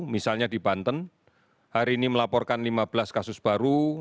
misalnya di banten hari ini melaporkan lima belas kasus baru